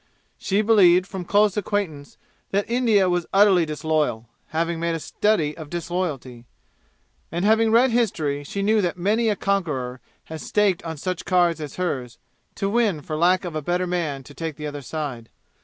She believed from close acquaintance that India was utterly disloyal, having made a study of disloyalty. And having read history she knew that many a conqueror has staked on such cards as hers, to win for lack of a better man to take the other side.